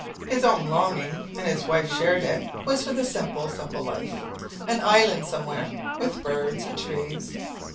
His own longing and his wife shared it was for the simple, simple life an island somewhere, with birds and trees.